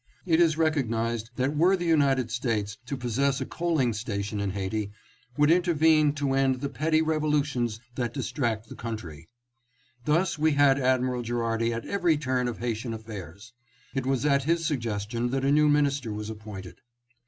"It is recognized that were the United States to possess a coaling station in Haiti ... would intervene to end the petty revolutions that distract the country." Thus we had Admiral Gherardi at every turn of Haitian affairs. It was at his suggestion that a new minister was appointed.